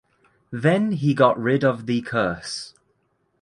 Then he got rid of the curse.